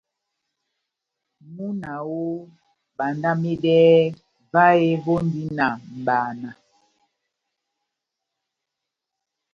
Múna oooh, bandamedɛhɛ, vahe vondi na mʼbana.